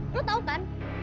lo tau kan